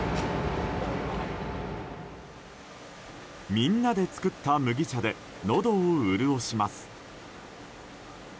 みんなで作った麦茶でのどを潤します。